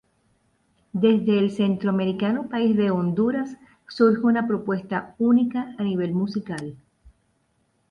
Desde el centroamericano país de Honduras, surge una propuesta única a nivel musical.